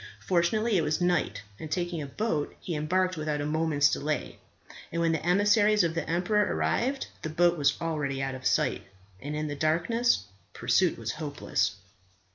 Fortunately it was night, and taking a boat he embarked without a moment's delay; and when the emissaries of the emperor arrived the boat was already out of sight, and in the darkness pursuit was hopeless.